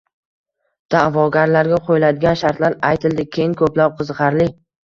da’vogarlarga qo‘yiladigan shartlar aytildi. Keyin ko‘plab «qiziqarli»